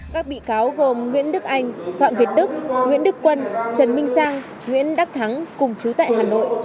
các bị cáo gồm nguyễn đức anh phạm việt đức nguyễn đức quân trần minh sang nguyễn đắc thắng cùng chú tại hà nội